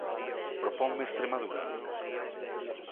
¿Proponme Estremadura?